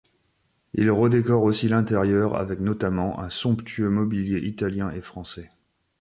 Il redécore aussi l'intérieur, avec notamment un somptueux mobilier italien et français.